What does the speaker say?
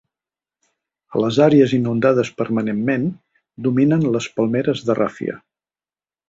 A les àrees inundades permanentment dominen les palmeres de ràfia.